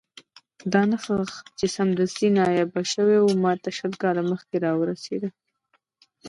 دا نسخه چې سمدستي نایابه شوې وه، ماته شل کاله مخکې راورسېده.